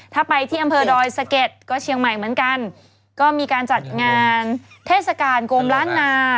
ถ้าไปที่อำเภอดอยสะเก็ดก็เชียงใหม่เหมือนกันก็มีการจัดงานเทศกาลโกมล้านนา